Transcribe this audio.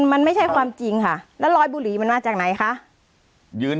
มันไม่ใช่ความจริงค่ะแล้วรอยบุหรี่มันมาจากไหนคะ